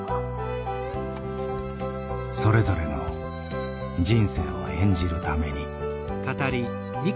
それぞれの人生を演じるために。